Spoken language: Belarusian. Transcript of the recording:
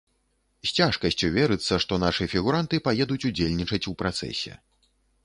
З цяжкасцю верыцца, што нашы фігуранты паедуць удзельнічаць у працэсе.